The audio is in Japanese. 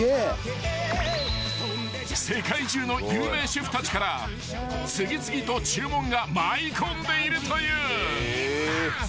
［世界中の有名シェフたちから次々と注文が舞い込んでいるという］